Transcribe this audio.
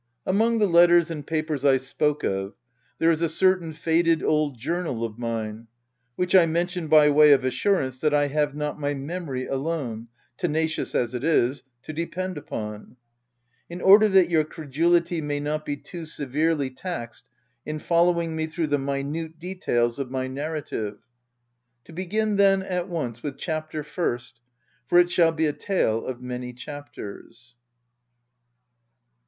Among the letters and papers I spoke of, there is a certain faded old journal of mine, which I mention by way of assurance that I have not my memory alone — tenacious as it is — to depend upon ; in order that your credulity may not be too severely taxed in following me through the minute details of my narrative. — To begin then, at once, with Chapter first, — for it shall be a tale of many chapters.